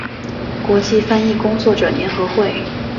国际翻译工作者联合会